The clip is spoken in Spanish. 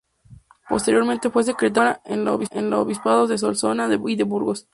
Posteriormente fue secretario de cámara en los obispados de Solsona y de Burgos.